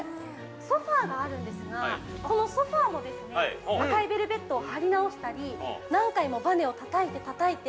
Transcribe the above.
ソファーがあるんですがこのソファーもですね赤いベルベットを張りなおしたり、何回もばねをたたいてたたいて。